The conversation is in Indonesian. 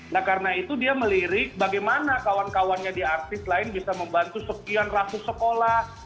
nah karena itu dia melirik bagaimana kawan kawannya di artis lain bisa membantu sekian ratus sekolah